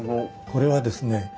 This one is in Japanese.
これはですね